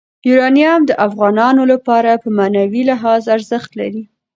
یورانیم د افغانانو لپاره په معنوي لحاظ ارزښت لري.